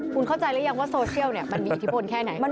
คุณเข้าใจหรือยังว่าโซเชียลมันมีอิทธิพลแค่ไหน